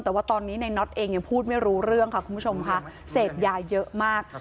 แต่ว่าตอนนี้ในน็อตเองยังพูดไม่รู้เรื่องค่ะคุณผู้ชมค่ะเสพยาเยอะมาก